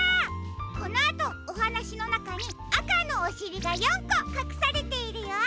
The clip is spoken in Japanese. このあとおはなしのなかにあかのおしりが４こかくされているよ。